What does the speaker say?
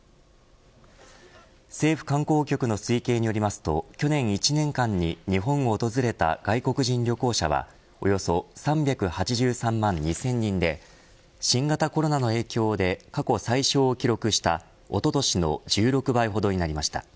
政府観光局の推計によりますと去年１年間に日本を訪れた外国人旅行者はおよそ３８３万２０００人で新型コロナの影響で過去最少を記録したおととしの１６倍ほどになりました。